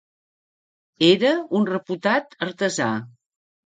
Era un reputat artesà.